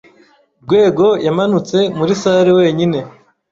Rwego yamanutse muri salle wenyine.